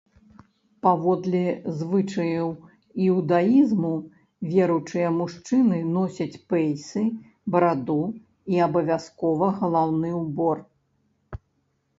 Паводле звычаяў іўдаізму, веруючыя мужчыны носяць пэйсы, бараду і абавязкова галаўны ўбор.